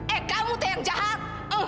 eh kamu tuh yang jahat